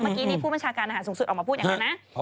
เมื่อกี้นี้ผู้บัญชาการอาหารสูงสุดออกมาพูดอย่างนั้นนะ